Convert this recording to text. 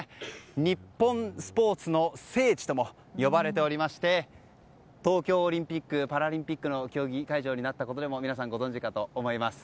日本スポーツの聖地とも呼ばれておりまして東京オリンピック・パラリンピックの競技会場になったことでも皆さんご存じかと思います。